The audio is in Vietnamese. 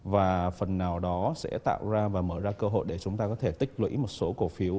và phần nào đó sẽ tạo ra và mở ra cơ hội để chúng ta có thể tích lũy một số cổ phiếu